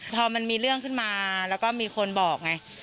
พอมันมีเรื่องขึ้นมาแล้วก็มีคนบอกไง